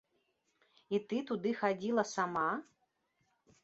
І ты туды хадзіла, сама?